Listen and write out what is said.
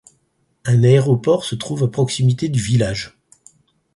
Un aéroport se trouve à proximité du village.